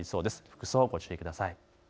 服装、ご注意ください。